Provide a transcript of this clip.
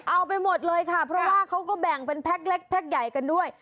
เอาไปหมดเลยค่ะเพราะว่าเขาก็แบ่งเป็นแก๊กเล็กแพ็คใหญ่กันด้วย